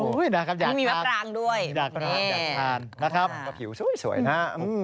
โอ้โฮนะครับอยากทานฮะเนี่ยนะครับผิวสวยนะโอ้โฮ